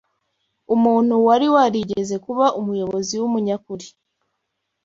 Umuntu wari warigeze kuba umuyobozi w’umunyakuri